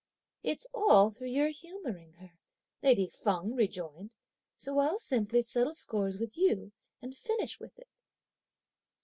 "It's all through your humouring her," lady Feng rejoined; "so I'll simply settle scores with you and finish with it."